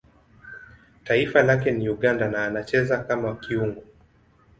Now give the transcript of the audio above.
Taifa lake ni Uganda na anacheza kama kiungo.